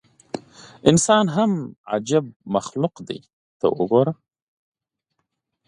انسان هم عجیب شی دی ته وګوره.